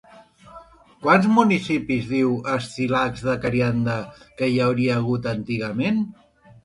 Quants municipis diu Escílax de Carianda que hi hauria hagut antigament?